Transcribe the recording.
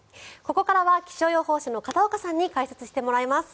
ここからは気象予報士の片岡さんに解説してもらいます。